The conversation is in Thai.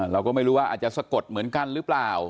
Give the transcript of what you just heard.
เราก็ไม่รู้ว่าอาจจะสะกดเหมือนกันหรือเปล่า